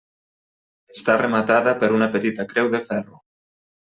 Està rematada per una petita creu de ferro.